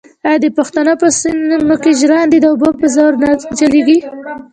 آیا د پښتنو په سیمو کې ژرندې د اوبو په زور نه چلېږي؟